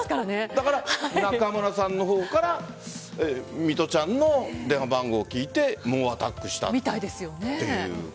だから中村さんの方から水卜ちゃんの電話番号を聞いて猛アタックしたと。